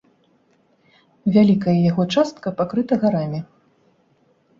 Вялікая яго частка пакрыта гарамі.